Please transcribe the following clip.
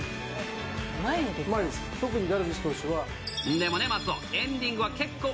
でもね、松尾、エンディング